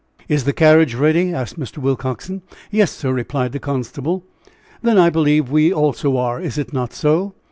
"Is the carriage ready?" asked Mr. Willcoxen. "Yes, sir," replied the constable. "Then, I believe, we also are is it not so?"